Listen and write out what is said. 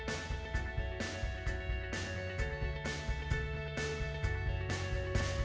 seluruh wilayah disebutkan oleh pak panji ada improvement atau peningkatan peningkatan pak setelah ini